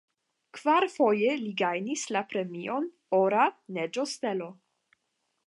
Kvarfoje li gajnis la premion "Ora neĝostelo".